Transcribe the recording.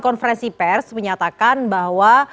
konferensi pers menyatakan bahwa